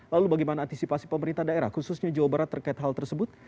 lalu bagaimana antisipasi pemerintah daerah khususnya jawa barat terkait hal tersebut